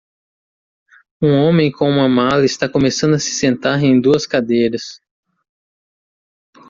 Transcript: Um homem com uma mala está começando a se sentar em duas cadeiras.